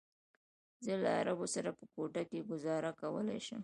زه له عربو سره په کوټه کې ګوزاره کولی شم.